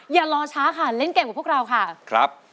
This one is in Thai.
อย่ารอช้าค่ะเล่นเก่งกว่าพวกเราค่ะครับ